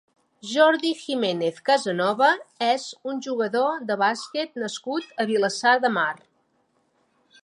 Jordi Jiménez Casanova és un jugador de bàsquet nascut a Vilassar de Mar.